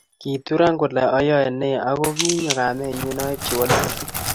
Kituro kole ayoenee akokinyo kamenyu aibchi walutik